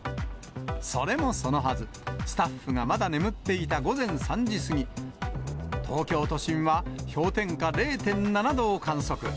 それもそのはず、スタッフがまだ眠っていた午前３時過ぎ、東京都心は氷点下０．７度を観測。